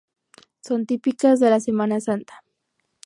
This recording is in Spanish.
Son típicas de la Semana Santa.